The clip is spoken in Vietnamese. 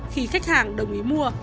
khi khách hàng đồng ý mua